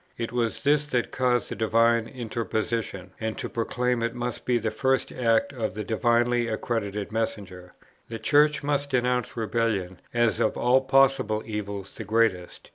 It was this that caused the divine interposition: and to proclaim it must be the first act of the divinely accredited messenger. The Church must denounce rebellion as of all possible evils the greatest.